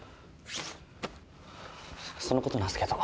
そのことなんすけど。